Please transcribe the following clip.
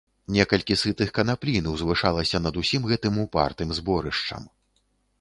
Некалькі сытых канаплін узвышалася над усім гэтым упартым зборышчам.